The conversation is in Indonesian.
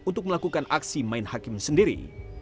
untuk melakukan aksi main hakim sendiri